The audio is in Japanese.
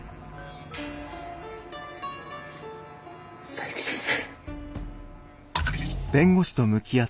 佐伯先生。